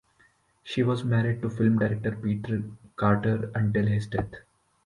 She was married to film director Peter Carter until his death.